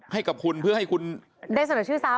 ให้กับคุณเพื่อให้คุณได้เสนอชื่อซ้ำ